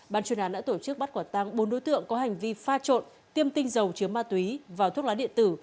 ban chuyên án đã tổ chức bắt quả tăng bốn đối tượng có hành vi pha trộn tiêm tinh dầu chứa ma túy vào thuốc lá điện tử